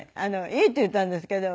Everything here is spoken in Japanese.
いいって言ったんですけど。